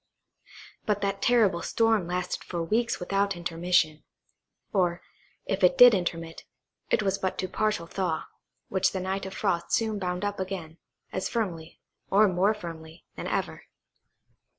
But that terrible storm lasted for weeks without intermission; or, if it did intermit, it was but to a partial thaw, which the night of frost soon bound up again, as firmly, or more firmly, than ever.